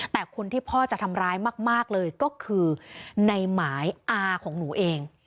แต่คนที่พ่อจะทำร้ายมากเลยก็คือในหมายอาของหนูเอง